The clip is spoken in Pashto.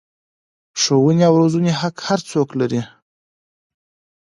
ښوونې او روزنې حق هر څوک لري.